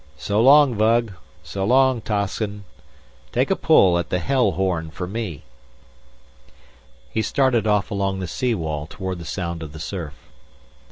"So long, Vug. So long, Toscin. Take a pull, at the Hell Horn for me." He started off along the sea wall toward the sound of the surf.